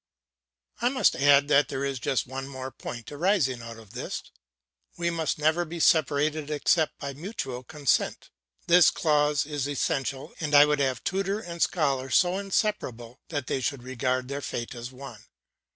I must add that there is just one other point arising out of this; we must never be separated except by mutual consent. This clause is essential, and I would have tutor and scholar so inseparable that they should regard their fate as one.